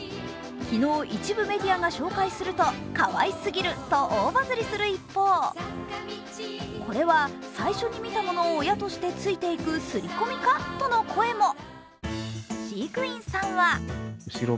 昨日、一部メディアが紹介すると、かわいすぎると大バズりする一方、これは、最初に見たものを親としてついていくすりこみか？との声も。